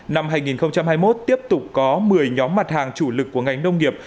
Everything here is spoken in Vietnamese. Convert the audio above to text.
năm hai nghìn hai mươi một tiếp tục có một mươi nhóm mặt hàng chủ lực của ngành nông nghiệp